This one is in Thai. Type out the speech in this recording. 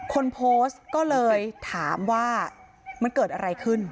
คนโพสต์ก็เลยถามว่ามันเกิดอะไรขึ้น